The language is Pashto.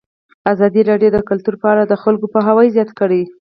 ازادي راډیو د کلتور په اړه د خلکو پوهاوی زیات کړی.